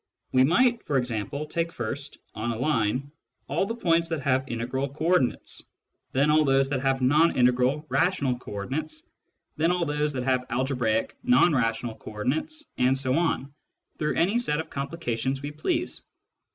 We might, for example, take first, on a line, all the points that have integral co ordinates, then all those that have non integral rational co ordinates, then all those that have algebraic non rational co ordinates, and so on, through any set of complica tions we please.